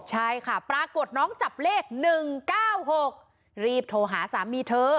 ใช่ค่ะปรากฏน้องจับเลข๑๙๖รีบโทรหาสามีเธอ